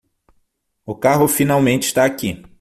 O carro finalmente está aqui.